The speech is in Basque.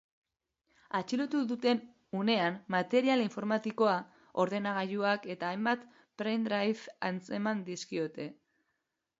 Atxilotu duten unean material informatikoa, ordenagailuak eta hainbat pendrive atzeman dizkiote.